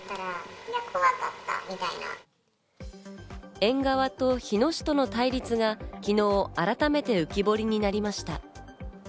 園側と日野市との対立が昨日、改めて浮き彫りになりました。